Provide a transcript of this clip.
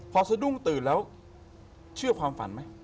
พอสะดุ้งตื่นแล้วเชื่อความฝันไหม